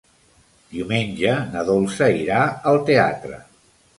Diumenge na Dolça irà al teatre.